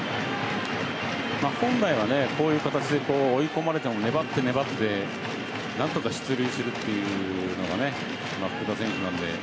本来は、こういう形で追い込まれても、粘って粘って何とか出塁するというのが福田選手なので。